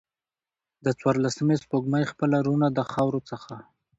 د څوارلسمې سپوږمۍ خپله روڼا د خاورو څخه